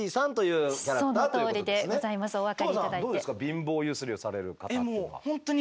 貧乏ゆすりをされる方っていうのは。